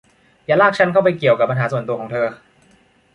อย่าลากฉันไปเกี่ยวกับปัญหาส่วนตัวของเธอ